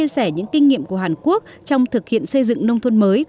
các đại biểu đã chia sẻ những kinh nghiệm của hàn quốc trong thực hiện xây dựng nông thuần mới